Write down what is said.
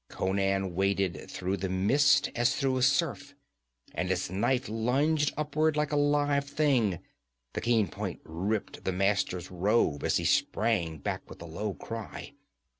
Conan waded through the mist as through a surf, and his knife lunged upward like a live thing. The keen point ripped the Master's robe as he sprang back with a low cry.